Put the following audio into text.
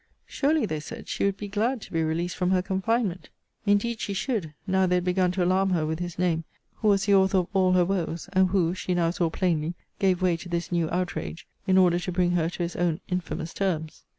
Surely, they said, she would be glad to be released from her confinement. Indeed she should, now they had begun to alarm her with his name, who was the author of all her woes: and who, she now saw plainly, gave way to this new outrage, in order to bring her to his own infamous terms.